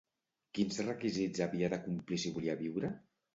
Quins requisits havia de complir si volia viure?